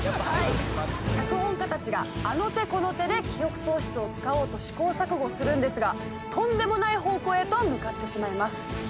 脚本家たちがあの手この手で記憶喪失を使おうと試行錯誤するんですがとんでもない方向へと向かってしまいます。